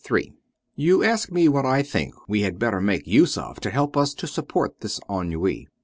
259 III. You ask me what I think we had better make use of to help us to support this ennui.